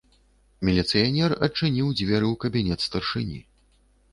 Міліцыянер адчыніў дзверы ў кабінет старшыні.